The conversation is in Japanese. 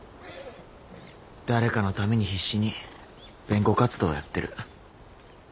誰かのために必死に弁護活動やってる